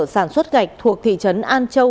sản xuất gạch thuộc thị trấn an châu